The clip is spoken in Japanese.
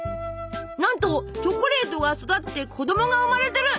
なんとチョコレートが育って子供が生まれてる！